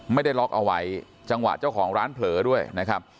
ไม่ได้ล็อกเอาไว้จังหวะเจ้าของร้านเผลอด้วยนะครับ